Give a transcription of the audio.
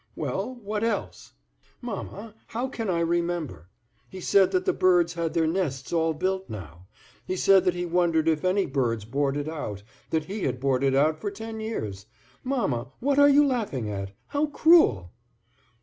"Well, and what else?" "Mamma, how can I remember? He said that the birds had their nests all built now. He said that he wondered if any birds boarded out; that he had boarded out for ten years. Mamma, what are you laughing at? How cruel!"